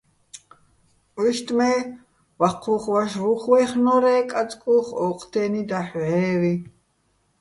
უჲშტ მე́, ვაჴჴუ́ხ ვაშო̆ ვუხ ვაჲხნორ-ე́, კაწკუ́ხ ოჴ დე́ნი დაჰ̦ ვჵე́ვიჼ.